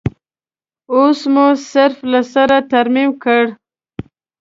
اوس مو صرف له سره ترمیم کړ.